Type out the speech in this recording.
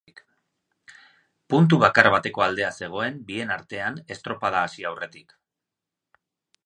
Puntu bakar bateko aldea zegoen bien artean estropada hasi aurretik.